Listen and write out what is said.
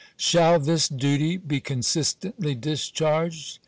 Shall this duty be con sistently discharged